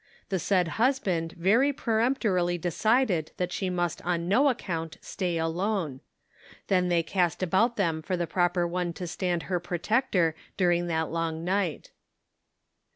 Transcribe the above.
The said husband very peremptorily decided that she must on no account stay alone. 152 The Pocket Measure. Then they cast about them for the proper one to stand her protector during that long night.